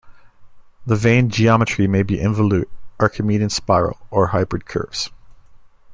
The vane geometry may be involute, archimedean spiral, or hybrid curves.